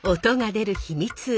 音が出る秘密